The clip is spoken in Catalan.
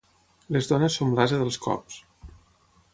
Les dones som l'ase dels cops.